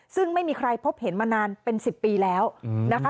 ซึ่งไม่มีใครพบเห็นมานานเป็น๑๐ปีแล้วนะคะ